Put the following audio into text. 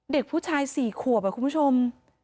เด็กผู้ชาย๔ขวบคุณผู้ชม